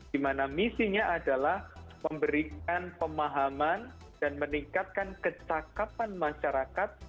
dimana misinya adalah memberikan pemahaman dan meningkatkan kecakapan masyarakat